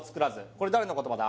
これ誰の言葉だ？